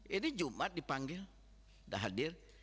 ini jumat dipanggil sudah hadir